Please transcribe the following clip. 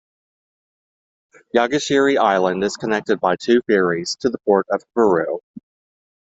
Yagishiri Island is connected by two ferries to the port at Haburo.